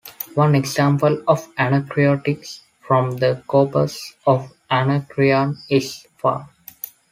One example of anacreontics from the corpus of Anacreon is fr.